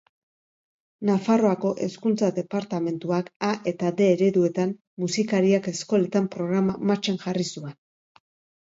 Nafarroako hezkuntza departamentuak A eta D ereduetan "Musikariak eskoletan" programa martxan jarri zuen.